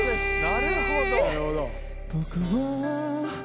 なるほど。